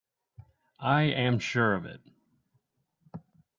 I am sure of it.